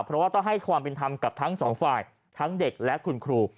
เพราะว่าต้องให้ความเป็นธรรมกับทั้งสองฝ่ายทั้งเด็กและคุณครู